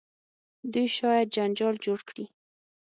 دوی شاید جنجال جوړ کړي.